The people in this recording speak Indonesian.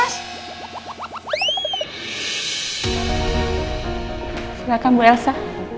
silahkan bu elsa